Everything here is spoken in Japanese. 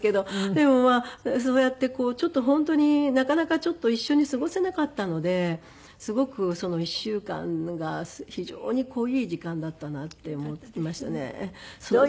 でもまあそうやってちょっと本当になかなかちょっと一緒に過ごせなかったのですごくその１週間が非常にいい時間だったなって思いましたね。